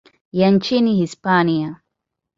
ya nchini Hispania.